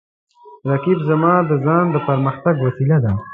رقیب زما د ځان د پرمختګ وسیله ده